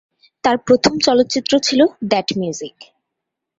তার প্রথম চলচ্চিত্র ছিল "দ্যাট মিউজিক"।